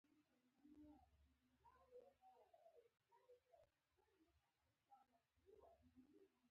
ښه ځه زه يې بيا ګورم.